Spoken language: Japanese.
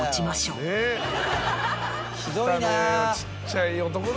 ひどいな。